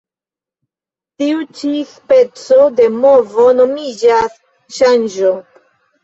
Tiu ĉi speco de movo nomiĝas ŝanĝo.